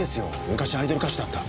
昔アイドル歌手だった。